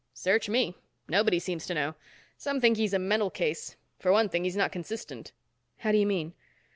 "Search me. Nobody seems to know. Some think he's a mental case. For one thing, he's not consistent." "How do you mean?"